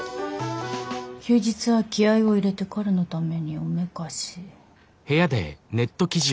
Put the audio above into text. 「休日は気合を入れて彼のためにおめかし」。